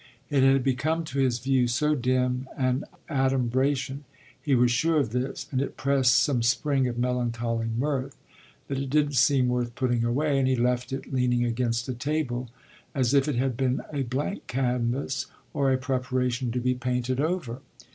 It had become to his view so dim an adumbration he was sure of this, and it pressed some spring of melancholy mirth that it didn't seem worth putting away, and he left it leaning against a table as if it had been a blank canvas or a "preparation" to be painted over.